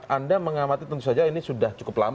anda mengamati tentu saja ini sudah cukup lama